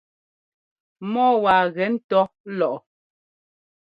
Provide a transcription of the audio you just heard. Mɔ́ɔ waa gɛ́ ńtɔ́ lɔʼɔ.